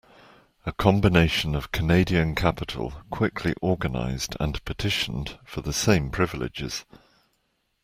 A combination of Canadian capital quickly organized and petitioned for the same privileges.